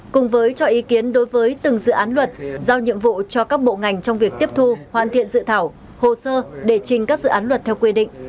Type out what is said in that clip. cùng với cho ý kiến đối với từng dự án luật giao nhiệm vụ cho các bộ ngành trong việc tiếp thu hoàn thiện dự thảo hồ sơ để trình các dự án luật theo quy định